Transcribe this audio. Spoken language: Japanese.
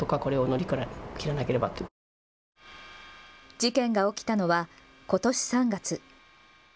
事件が起きたのはことし３月。